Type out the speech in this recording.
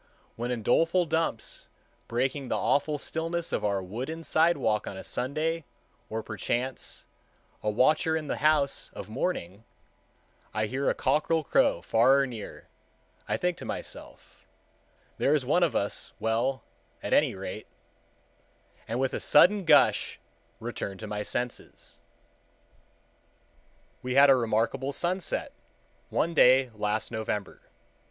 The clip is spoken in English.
When, in doleful dumps, breaking the awful stillness of our wooden sidewalk on a Sunday, or, perchance, a watcher in the house of mourning, I hear a cockerel crow far or near, I think to myself, "There is one of us well, at any rate,"—and with a sudden gush return to my senses. We had a remarkable sunset one day last November.